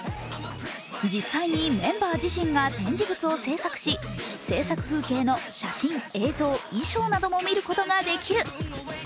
実際にメンバー自身が展示物を制作し制作風景の写真、映像、衣装なども見ることができる。